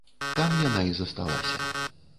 Там яна і засталася.